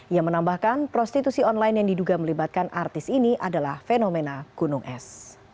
ia menambahkan prostitusi online yang diduga melibatkan artis ini adalah fenomena gunung es